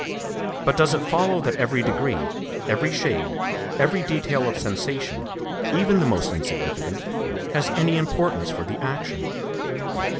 But does it follow that every degree, every shade, every detail of sensation, even the most insignificant, has any importance for the action?